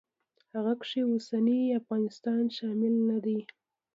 هغه کې اوسنی افغانستان شامل نه دی.